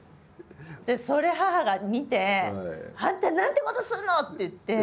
それ母が見て「あんた何てことするの！」って言って。